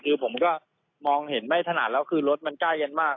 คือผมก็มองเห็นไม่ถนัดแล้วคือรถมันใกล้กันมาก